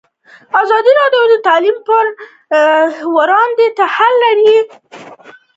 ازادي راډیو د تعلیم پر وړاندې د حل لارې وړاندې کړي.